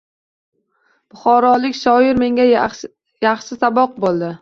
Buxorolik shoir menga yaxshi saboq bo’ldi.